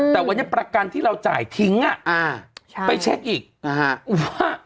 แต่วันนี้ประกันที่เราจ่ายทิ้งไปเช็คอีกว่า